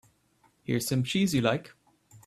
Here's some cheese you like.